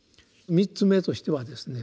３つ目としてはですね